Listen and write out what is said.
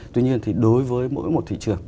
tuy nhiên thì đối với mỗi một thị trường